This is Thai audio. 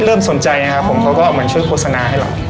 เริ่มสนใจนะครับผมเขาก็ออกมาช่วยโฆษณาให้เรา